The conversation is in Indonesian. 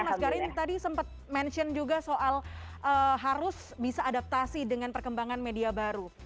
mas garin tadi sempat mention juga soal harus bisa adaptasi dengan perkembangan media baru